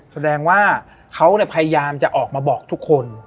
แสดงว่าเขาพยายามจะออกมาบอกทุกคน